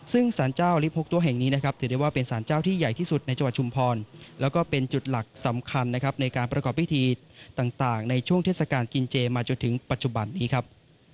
ซึ่งสารเจ้าลิฟ๖ตัวแห่งนี้นะครับถือได้ว่าเป็นสารเจ้าที่ใหญ่ที่สุดในจังหวัดชุมพรแล้วก็เป็นจุดหลักสำคัญนะครับในการประกอบพิธีต่างในช่วงเทศกาลกินเจมาจนถึงปัจจุบันนี้ครับ